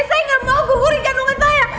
saya gak mau bukurin jalan rumah saya